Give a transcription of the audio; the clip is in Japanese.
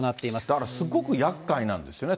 だからすごくやっかいなんですよね。